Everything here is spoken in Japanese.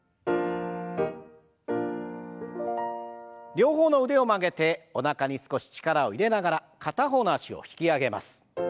両方の腕を曲げておなかに少し力を入れながら片方の脚を引き上げます。